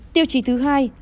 tiêu chí thứ hai